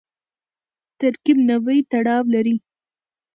ترکیب نحوي تړاو لري.